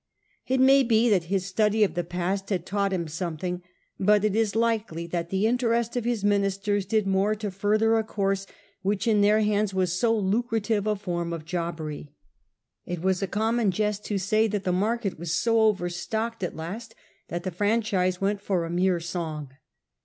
It may be that his study of the past had taught him something ; but it is likely that the interest of his ministers did more to further a course which in their hands was so lucrative a form of jobbery. It was a common jest to say that the market was so overstocked at last that the franchise went for a mere song.